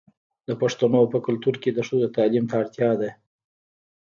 د پښتنو په کلتور کې د ښځو تعلیم ته اړتیا ده.